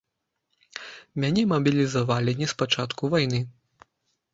Мяне мабілізавалі не спачатку вайны.